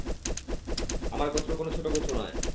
আমার গোত্র কোন ছোট গোত্র নয়।